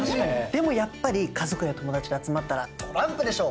でもやっぱり家族や友達で集まったらトランプでしょ。